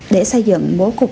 để xây dựng bố cục